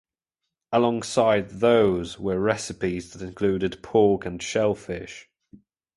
Alongside those were recipes that included pork and shellfish.